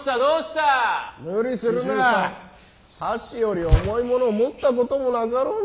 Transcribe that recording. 箸より重いもの持ったこともなかろうに！